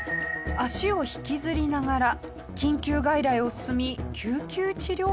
脚を引きずりながら緊急外来を進み救急治療室へ。